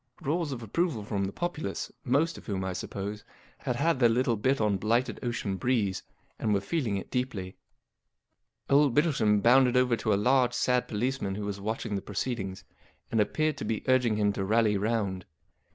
" Roars of approval front the populace, most of whom, I suppose, had had their little bit on blighted Ocean Breeze, and were feeling it deeply Old Bittlesham bounded over to a large, sad policeman who was watching the proceedings, and appeared to be urging him to rally round.